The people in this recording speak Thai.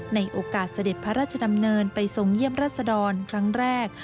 ในโอกาสเสด็จพระราชดำเนินไปทรงเยี่ยมรัศดรครั้งแรก